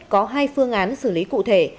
có hai phương án xử lý cụ thể